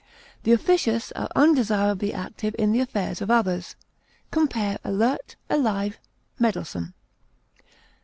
The officious are undesirably active in the affairs of others. Compare ALERT; ALIVE; MEDDLESOME.